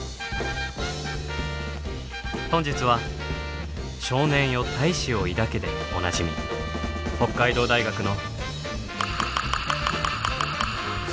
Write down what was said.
本日は「少年よ大志を抱け」でおなじみ北海道大学の。